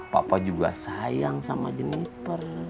papa juga sayang sama jenniper